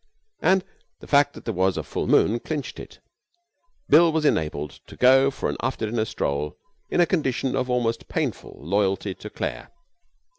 And the fact that there was a full moon clinched it. Bill was enabled to go for an after dinner stroll in a condition of almost painful loyalty to Claire.